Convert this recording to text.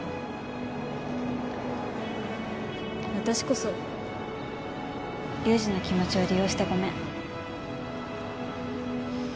私こそ龍二の気持ちを利用してごめん。